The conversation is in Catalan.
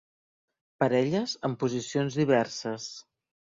Parelles en posicions diverses.